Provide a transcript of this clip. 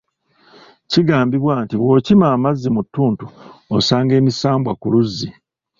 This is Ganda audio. Kigambibwa nti bw’okima amazzi mu ttuntu osanga emisambwa ku luzzi.